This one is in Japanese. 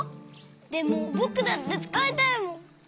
でもぼくだってつかいたいもん。